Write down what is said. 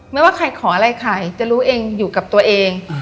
ไม่ว่าใครขออะไรใครจะรู้เองอยู่กับตัวเอง